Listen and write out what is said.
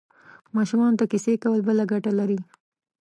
ماشومانو ته کیسې کول بله ګټه لري.